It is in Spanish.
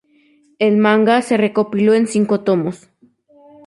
El manga se recopiló en cinco tomos.